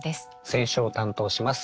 選書を担当します